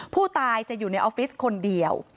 ผู้ตายจะอยู่ในออฟฟิศคนเดียว